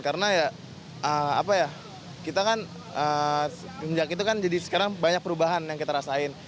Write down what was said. karena ya apa ya kita kan sejak itu kan jadi sekarang banyak perubahan yang kita rasain